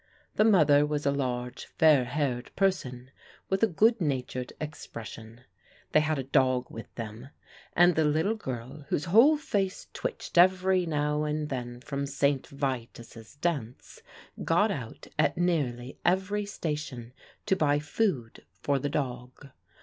The mother was a large fair haired person, with a good natured expression. They had a dog with them, and the little girl, whose whole face twitched every now and then from St. Vitus' dance, got out at nearly every station to buy food for the dog.